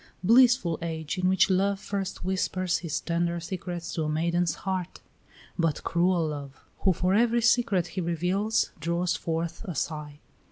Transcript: Blissful age in which Love first whispers his tender secrets to a maiden's heart! But cruel Love, who for every secret he reveals draws forth a sigh!